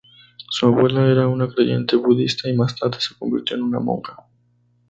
Su abuela era una creyente budista y más tarde se convirtió en una monja.